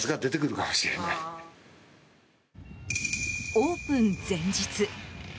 オープン前日。